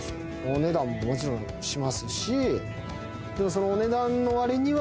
お値段ももちろんしますし。